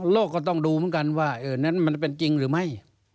ก็ต้องดูเหมือนกันว่านั้นมันเป็นจริงหรือไม่